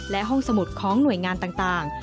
และห้องสมุดของหน่วยงานต่าง